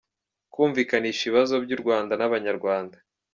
– Kumvikanisha ibibazo by’u Rwanda n’abanyarwanda;